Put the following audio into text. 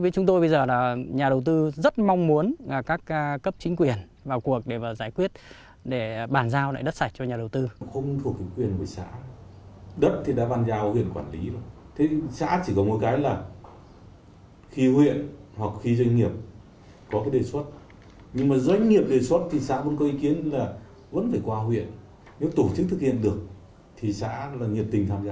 nhưng mà doanh nghiệp đề xuất thì xã vẫn có ý kiến là vẫn phải qua huyện nếu tổ chức thực hiện được thì xã là nhiệt tình tham gia